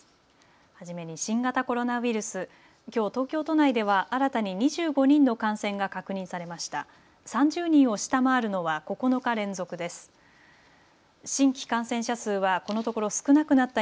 初めに新型コロナウイルス、きょう東京都内では新たに２５人の感染が確認されました。